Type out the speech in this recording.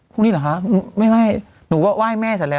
พรุ่งนี้เหรอคะไม่ไหว้หนูว่าไหว้แม่เสร็จแล้ว